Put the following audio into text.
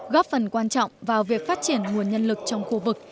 góp phần quan trọng vào việc phát triển nguồn nhân lực trong khu vực